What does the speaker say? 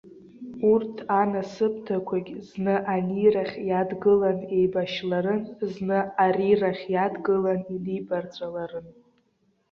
Урҭ анасыԥдақәагьы зны анирахь иадгылан еибашьларын, зны арирахь иадгылан инибарҵәаларын.